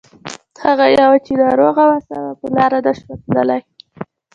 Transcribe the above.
هغه يوه چې ناروغه وه سمه په لاره نه شوه تللای.